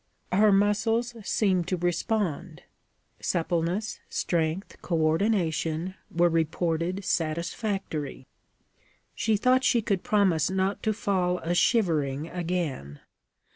Her muscles seemed to respond: suppleness, strength, coordination, were reported satisfactory. She thought she could promise not to fall a shivering again.